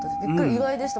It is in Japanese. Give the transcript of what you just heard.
意外でした。